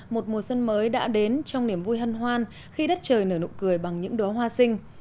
một mùa xuân mới đã đến trong niềm vui hân hoan khi đất trời nở nụ cười bằng những đoá hoa sinh